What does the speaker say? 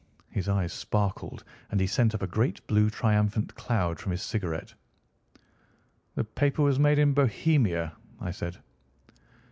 His eyes sparkled, and he sent up a great blue triumphant cloud from his cigarette. "The paper was made in Bohemia," I said.